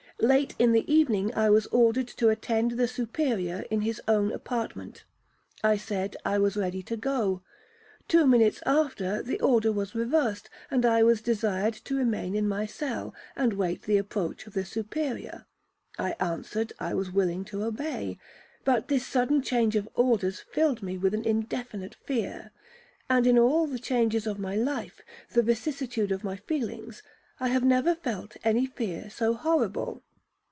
Late in the evening I was ordered to attend the Superior in his own apartment,—I said I was ready to go. Two minutes after the order was reversed, and I was desired to remain in my cell, and await the approach of the Superior,—I answered I was willing to obey. But this sudden change of orders filled me with an indefinite fear; and in all the changes of my life, and vicissitude of my feelings, I have never felt any fear so horrible.